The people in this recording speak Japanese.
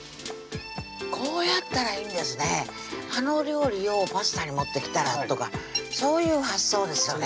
こうやったらいいんですねあの料理をパスタに持ってきたらとかそういう発想ですよね